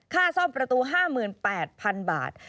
ค่าซ่อมประตู๕๘๐๐๐บาท